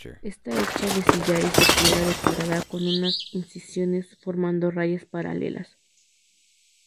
Está hecha de sillares de piedra decorada con unas incisiones, formando rayas paralelas.